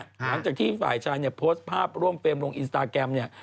หลังจากที่ฝ่ายชายเนี่ยโพสต์ภาพร่วมเฟรมลงอินสตาแกรมเนี่ย